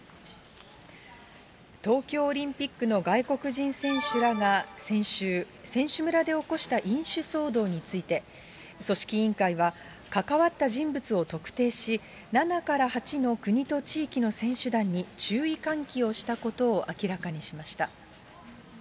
東京オリンピックの外国人選手らが先週、選手村で起こした飲酒騒動について、組織委員会は関わった人物を特定し、７から８の国と地域の選手団に注意喚起をしたことを明らかにしました。